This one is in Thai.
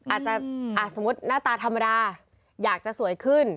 อาจจะสมมุติหน้าตาธรรมดาอยากจะสวยขึ้น